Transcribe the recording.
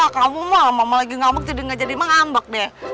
kamu mah mama lagi ngambek jadi gak jadi ngambek deh